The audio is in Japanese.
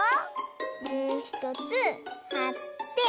もうひとつはって。